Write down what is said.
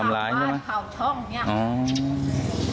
เพาพลาดด้วยแล้วแม่จะดูอย่างไร